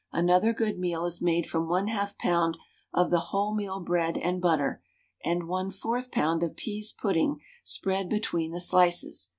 Another good meal is made from 1/2 lb. of the wholemeal bread and butter, and a 1/4 lb. of peas pudding spread between the slices.